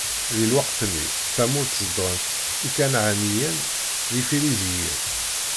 Di lweqt-nni, tamurt zedɣen- tt Ikanɛaniyen d Ifiriziyen.